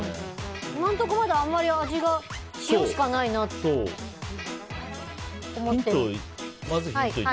今のところまだ味が塩しかないなって思ってて。